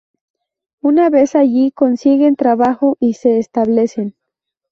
Una vez allí consiguen trabajo y se establecen.